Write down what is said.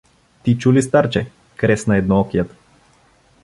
— Ти чу ли, старче? — кресна едноокият.